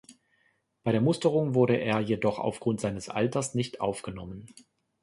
Bei der Musterung wurde er jedoch aufgrund seines Alters nicht aufgenommen.